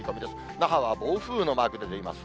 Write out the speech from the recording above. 那覇は暴風のマークが出ています。